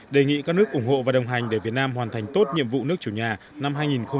đề nghị các nước ủng hộ và đồng hành để việt nam hoàn thành tốt nhiệm vụ nước chủ nhà năm hai nghìn hai mươi